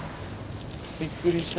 びっくりした。